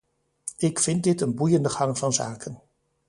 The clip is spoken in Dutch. Ik vind dit een boeiende gang van zaken.